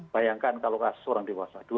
bayangkan kalau kasus orang dewasa